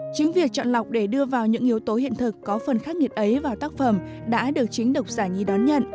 chính việc chọn lọc để đưa vào những yếu tố hiện thực có phần khắc nghiệt ấy vào tác phẩm đã được chính độc giải nhì đón nhận